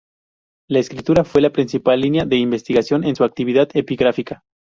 La escritura fue la principal línea de investigación en su actividad epigráfica.